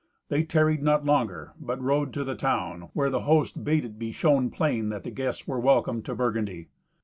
They tarried not longer, but rode to the town, where the host bade it be shown plain that the guests were welcome to Burgundy.